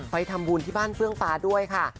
ไปทำบุญที่บ้านเฟื้องฟ้าด้วยค่ะ